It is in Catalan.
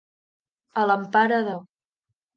A l'empara de.